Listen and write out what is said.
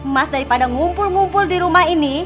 emas daripada ngumpul ngumpul di rumah ini